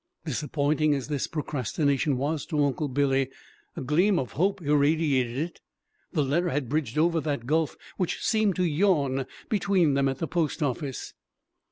Disappointing as this procrastination was to Uncle Billy, a gleam of hope irradiated it: the letter had bridged over that gulf which seemed to yawn between them at the post office.